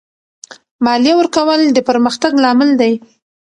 مالیه ورکول د پرمختګ لامل دی.